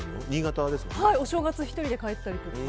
お正月、１人で帰ったりとか。